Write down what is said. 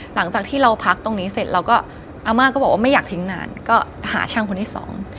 หลังจากที่เราพักตรงนี้เสร็จเราก็อาม่าก็บอกว่าไม่อยากทิ้งนานก็หาช่างคนที่สอง